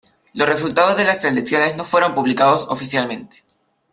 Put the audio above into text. Los resultados de las elecciones no fueron publicados oficialmente.